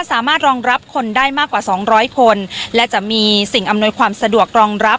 สามารถรองรับคนได้มากกว่าสองร้อยคนและจะมีสิ่งอำนวยความสะดวกรองรับ